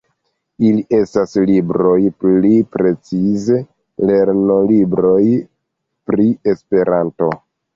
Ili estas libroj, pli precize lernolibroj, pri Esperanto.